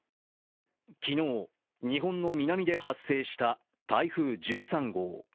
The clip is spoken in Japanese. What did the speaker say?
昨日、日本の南で発生した台風１３号。